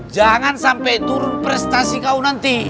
jangan sampai turun prestasi kau nanti